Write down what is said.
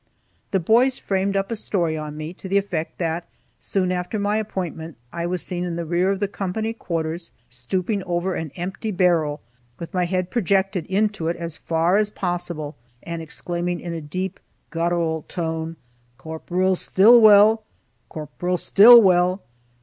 The boys framed up a story on me, to the effect that soon after my appointment I was seen in the rear of the company quarters, stooping over an empty barrel, with my head projected into it as far as possible, and exclaiming in a deep, guttural tone, "CORPORAL STILLWELL!" "CORPORAL STILLWELL!"